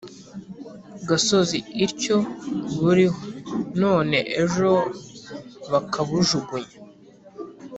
gasozi ityo buriho none ejo bakabujugunya